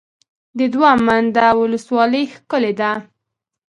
د دوه منده ولسوالۍ ښکلې ده